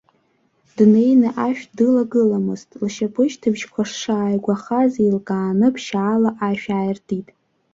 Днеины ашә дылагыламыз, лшьапышьҭыбжьқәа шааигәахаз еилкааны, ԥшьаала ашә ааиртит.